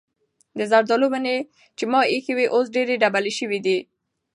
د زردالو ونې چې ما ایښې وې اوس ډېرې ډبلې شوې دي.